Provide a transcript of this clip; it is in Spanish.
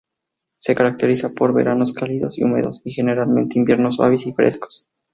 Se caracteriza por veranos cálidos y húmedos, y generalmente inviernos suaves y frescos.